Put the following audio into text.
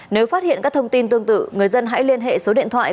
nếu phát hiện các thông tin tương tự người dân hãy liên hệ số điện thoại